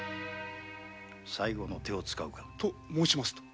最後の手を使うか。と申しますと？